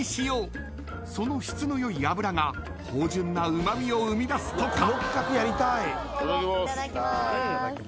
［その質の良い脂が芳醇なうま味を生み出すとか］